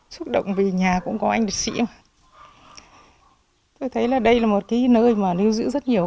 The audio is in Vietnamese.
xúc động vì nhà cũng có anh địch sĩ mà tôi thấy là đây là một cái nơi mà lưu giữ rất nhiều